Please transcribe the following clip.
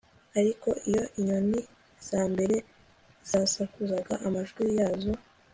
Ariko iyo inyoni za mbere zasakuzaga amajwi yazo